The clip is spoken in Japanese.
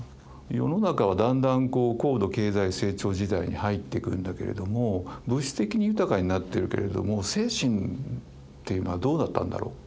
世の中はだんだん高度経済成長時代に入ってくんだけれども物質的に豊かになってるけれども精神っていうのはどうだったんだろう。